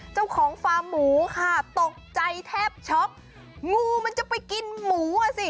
เจ้าของฟาร์มหมูค่ะตกใจแทบช็อกงูมันจะไปกินหมูอ่ะสิ